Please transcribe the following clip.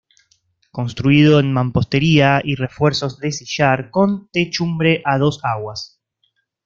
Construido en mampostería y refuerzos de sillar, con techumbre a dos aguas.